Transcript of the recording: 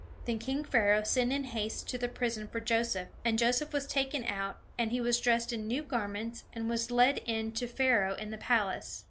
Then king Pharaoh sent in haste to the prison for Joseph; and Joseph was taken out, and he was dressed in new garments, and was led in to Pharaoh in the palace.